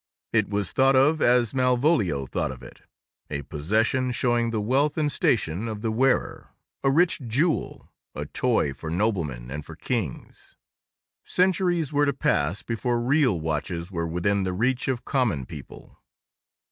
It was thought of as Malvolio thought of it—a possession showing the wealth and station of the wearer, a rich jewel, a toy for noblemen and for kings. Centuries were to pass before real watches were within the reach of common people.